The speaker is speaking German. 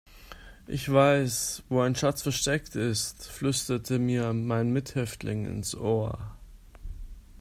Ich weiß, wo ein Schatz versteckt ist, flüsterte mir mein Mithäftling ins Ohr.